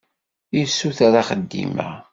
Yessuter axeddim-a.